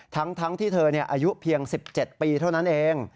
ทั้งที่เธออายุเพียง๑๗ปีเท่านั้นเอง